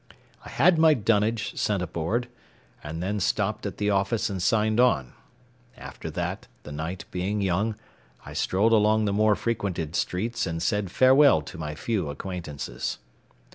I had my "dunnage" sent aboard and then stopped at the office and signed on. After that, the night being young, I strolled along the more frequented streets and said farewell to my few acquaintances.